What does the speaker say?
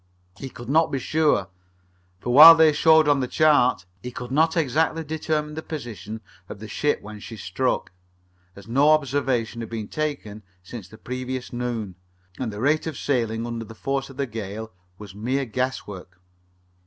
He could not be sure, for while they showed on the chart, he could not exactly determine the position of the ship when she struck, as no observation had been taken since the previous noon, and the rate of sailing under the force of the gale was mere guesswork.